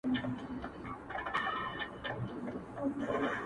او دا یادښت یې هم ورسره مل کړی